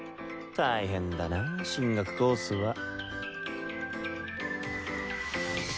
大変だな進学コースは。